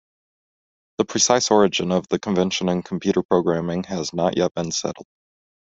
The precise origin of the convention in computer programming has not yet been settled.